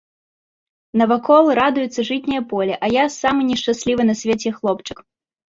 Навакол радуецца жытняе поле, а я самы нешчаслівы на свеце хлопчык.